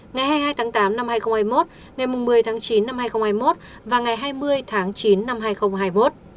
ngày hai mươi hai tháng tám năm hai nghìn hai mươi một ngày một mươi tháng chín năm hai nghìn hai mươi một và ngày hai mươi tháng chín năm hai nghìn hai mươi một